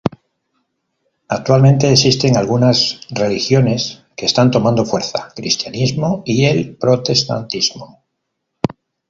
Actualmente existen algunas religiones que están tomando fuerza: cristianismo y el protestantismo.